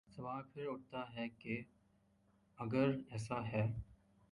سوال پھر اٹھتا ہے کہ اگر ایسا ہے۔